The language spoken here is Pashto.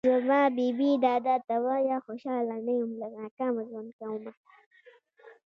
زما بې بې دادا ته وايه خوشحاله نه يم له ناکامه ژوند کومه